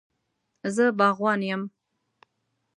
زه باغوان یم